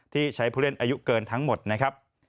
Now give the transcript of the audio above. ที่ใช้ผู้เล่นอายุเกินทั้งหมดนะครับ